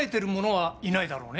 はい。